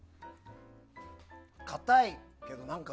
かたいけど、何か。